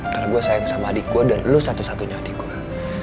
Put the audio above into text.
karena gue sayang sama adik gue dan lu satu satunya adik gue